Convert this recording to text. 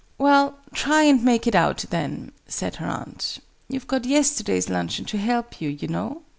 "Well, try and make it out, then," said her aunt. "You've got yesterday's luncheon to help you, you know.